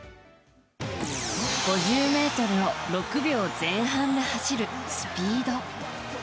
５０ｍを６秒前半で走るスピード。